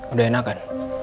udah enak kan